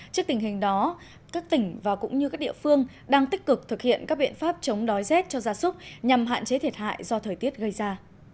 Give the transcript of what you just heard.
trước tình hình đó các tỉnh và cũng như các địa phương đang tích cực thực hiện các biện pháp chống đói rét cho gia súc nhằm hạn chế thiệt hại do thời tiết gây ra